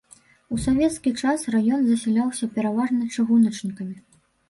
У савецкі час раён засяляўся пераважна чыгуначнікамі.